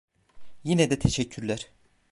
Yine de teşekkürler.